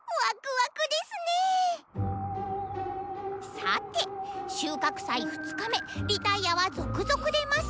「さて収穫祭２日目リタイアは続々出ます！